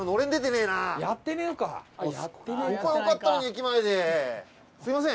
いやすいません。